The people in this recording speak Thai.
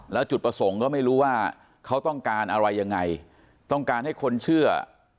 แล้วจุดประสงค์ก็ไม่รู้ว่าเขาต้องการอะไรยังไงต้องการให้คนเชื่อ